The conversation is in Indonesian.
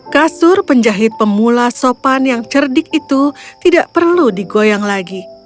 kasur penjahit pemula sopan yang cerdik itu tidak perlu digoyang lagi